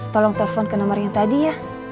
tolong telfon ke nomer yang tadi ya